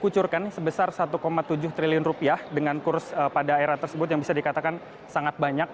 kucurkan sebesar satu tujuh triliun rupiah dengan kurs pada era tersebut yang bisa dikatakan sangat banyak